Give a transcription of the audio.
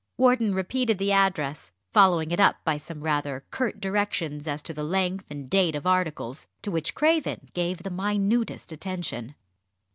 Wharton repeated the address, following it up by some rather curt directions as to the length and date of articles, to which Craven gave the minutest attention.